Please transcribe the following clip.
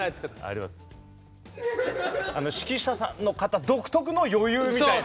あの指揮者の方独特の余裕みたいな。